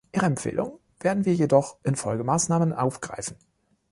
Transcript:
Ihre Empfehlungen werden wir jedoch in Folgemaßnahmen aufgreifen.